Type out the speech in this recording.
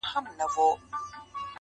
• په غوسه ورته وړوکی لوی حیوان وو -